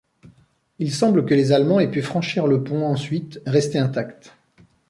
Il semble que les Allemands aient pu franchir le pont ensuite, resté intact.